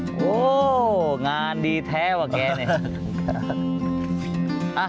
โอ้โฮงานดีแท้วะแกนี่